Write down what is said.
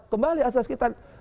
kembali asas kita